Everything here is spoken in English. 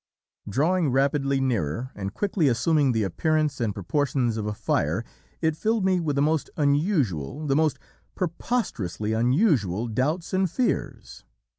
"Drawing rapidly nearer and quickly assuming the appearance and proportions of a FIRE, it filled me with the most unusual, the most preposterously unusual, doubts and fears.